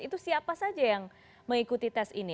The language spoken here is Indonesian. itu siapa saja yang mengikuti tes ini